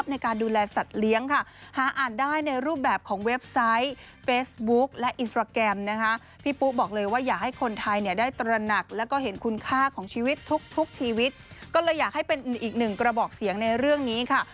บอกเสียงในเรื่องนี้ค่ะ